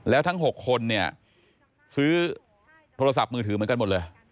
แล้วทั้ง๖คนเนี่ยซื้อโทรศัพท์มือถือเหมือนกันหมดเลย